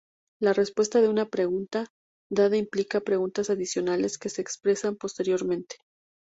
La respuesta de una pregunta dada implica preguntas adicionales, que se expresan posteriormente.